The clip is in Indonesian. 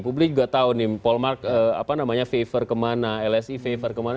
publik juga tahu paul mark favor kemana lsi favor kemana